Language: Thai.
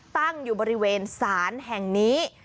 ตั้งอยู่บริเวณศาลแห่งนี้